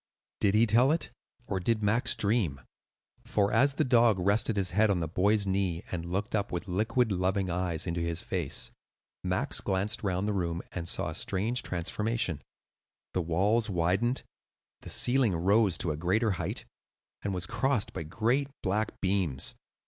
Did he tell it, or did Max dream? For as the dog rested his head on the boy's knee and looked with liquid, loving eyes into his face, Max glanced round the room and saw a strange transformation: the walls widened, the ceiling rose to a greater height, and was crossed by great black beams.